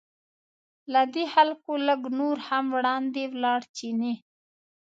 له دې خلکو لږ نور هم وړاندې ولاړ چیني.